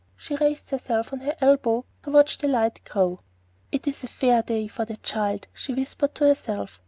She raised herself on her elbow to watch the light grow. "It is a fair day for the child," she whispered to herself.